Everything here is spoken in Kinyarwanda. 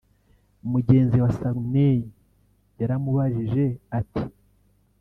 Mugenzi wa Sarunei yaramubajije ati